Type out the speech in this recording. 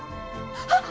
あっ！